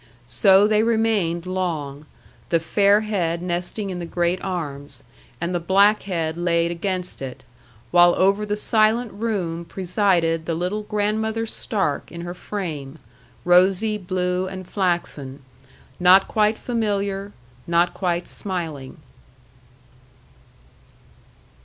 So they remained long, the fair head nesting in the great arms, and the black head laid against it, while over the silent room presided the little Grandmother Stark in her frame, rosy, blue, and flaxen, not quite familiar, not quite smiling.